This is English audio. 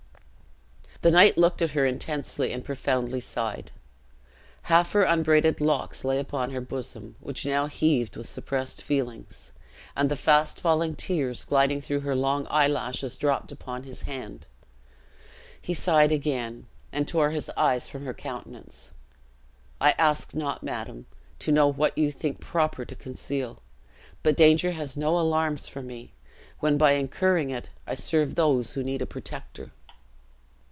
The knight looked at her intensely, and profoundly sighed. Half her unbraided locks lay upon her bosom, which now heaved with suppressed feelings; and the fast falling tears, gliding through her long eyelashes dropped upon his hand; he sighed again, and tore his eyes from her countenance. "I ask not, madam, to know what you think proper to conceal; but danger has no alarms for me, when, by incurring it, I serve those who need a protector."